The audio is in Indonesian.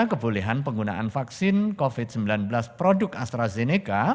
kebolehan penggunaan vaksin covid sembilan belas produk astrazeneca